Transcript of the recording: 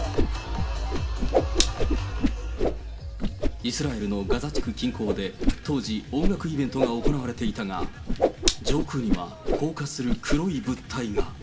イスラエルのガザ地区近郊で、当時、音楽イベントが行われていたが、上空には降下する黒い物体が。